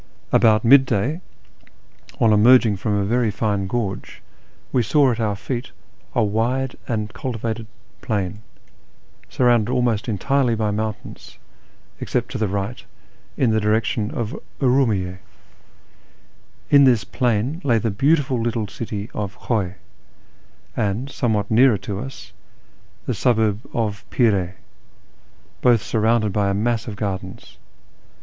About mid day, on emerging from a very fine gorge, we saw at our feet a wide and cultivated plain, surrounded almost entirely by mountains, except to the right, in the direction of Urumiyye. In this plain lay the beautiful little city of Khiiy, and, somewhat nearer to us, the suburb of Pir(^ — both sur rounded by a mass of gardens.